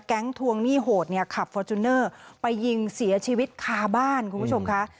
ทวงหนี้โหดเนี่ยขับฟอร์จูเนอร์ไปยิงเสียชีวิตคาบ้านคุณผู้ชมค่ะ